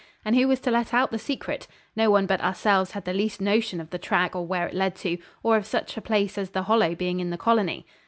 And who was to let out the secret? No one but ourselves had the least notion of the track or where it led to, or of such a place as the Hollow being in the colony.